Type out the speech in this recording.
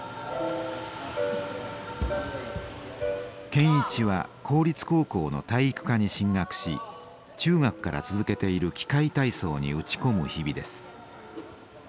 健一は公立高校の体育科に進学し中学から続けている器械体操に打ち込む日々です。